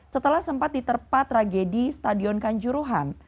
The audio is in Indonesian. setelah sempat diterpa tragedi stadion kanjuruhan